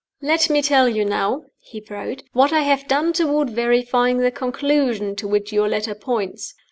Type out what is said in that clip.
"Let me now tell you," he wrote, "what I have done toward verifying the conclusion to which your letter points.